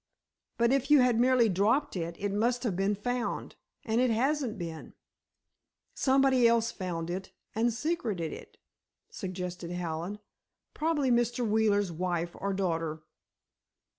"But if you had merely dropped it, it must have been found. And it hasn't been." "Somebody else found it and secreted it," suggested Hallen. "Probably Mr. Wheeler's wife or daughter."